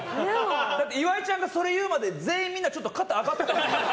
だって岩井ちゃんがそれ言うまで全員みんなちょっと肩上がってたもんね。